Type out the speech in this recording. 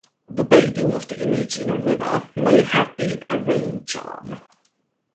The bathing of the image in a river may have been a rain-charm.